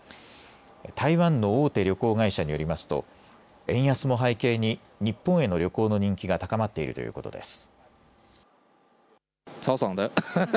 台湾の大手旅行会社によりますと円安も背景に日本への旅行の人気が高まっているということです。